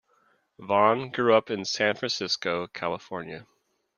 Vaughn grew up in San Francisco, California.